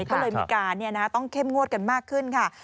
ก็เลยมีการต้องเข้มงวดกันมากขึ้นค่ะ